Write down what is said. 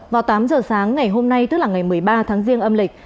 vào tám giờ sáng ngày hôm nay tức là ngày một mươi ba tháng riêng âm lịch